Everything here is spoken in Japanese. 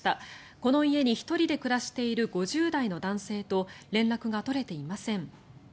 この家に１人で暮らしている５０代の男性と連絡が取れていません。